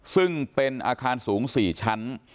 ซึ่งเป็นอาคารสูง๔ชั้น